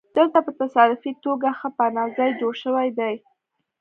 دلته په تصادفي توګه ښه پناه ځای جوړ شوی دی